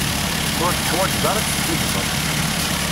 Ur teḥwaǧeḍ ara ad teskiddbeḍ.